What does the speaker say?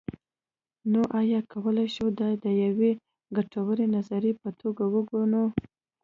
نو ایا کولی شو دا د یوې ګټورې نظریې په توګه وګڼو.